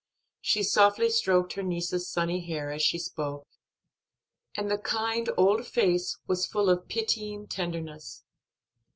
She softly stroked her niece's sunny hair, as she spoke, and the kind old face was full of pitying tenderness.